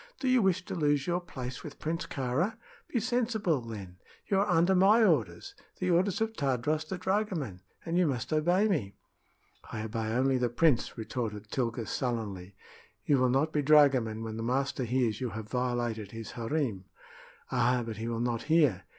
"Do you wish to lose your place with Prince Kāra? Be sensible, then. You are under my orders the orders of Tadros the dragoman, and you must obey me." "I obey only the prince," retorted Tilga, sullenly. "You will not be dragoman when the master hears you have violated his harem." "Ah, but he will not hear!